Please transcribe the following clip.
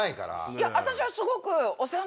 いや私はすごく。